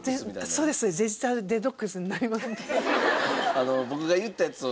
あの僕が言ったやつを。